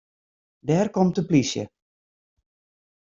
Dêr komt de plysje.